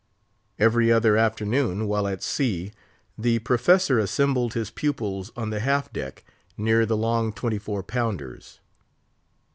Every other afternoon, while at sea, the Professor assembled his pupils on the half deck, near the long twenty four pounders.